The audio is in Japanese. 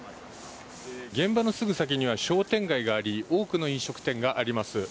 現場のすぐ先には商店街があり多くの飲食店があります。